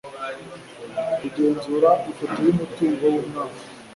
kugenzura ifoto y'umutungo y'umwaka